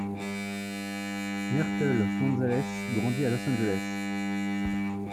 Myrtle Gonzalez grandit à Los Angeles.